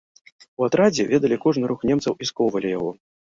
У атрадзе ведалі кожны рух немцаў і скоўвалі яго.